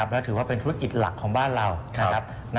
แล้วถือว่าเป็นธุรกิจหลักของบ้านเรา